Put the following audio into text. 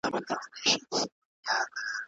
تاسو ولې د صفوي دورې په اړه پوښتنه کوئ؟